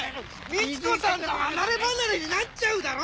みち子さんと離れ離れになっちゃうだろ。